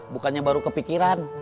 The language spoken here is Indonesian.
bukannya baru kepikiran